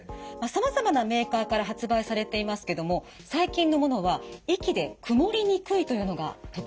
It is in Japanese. さまざまなメーカーから発売されていますけども最近のものは息でくもりにくいというのが特徴です。